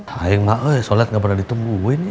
sayang mak sohlat gak pernah ditungguin ya